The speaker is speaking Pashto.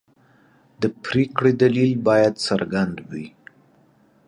د پرېکړې دلیل باید څرګند وي.